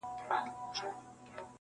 • دکرم سیوری چي دي وسو پر ما..